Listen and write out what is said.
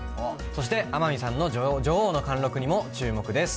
そして天海さんの女王の貫録にも注目です。